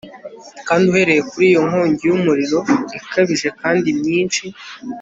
kandi uhereye kuri iyo nkongi yumuriro ikabije kandi myinshi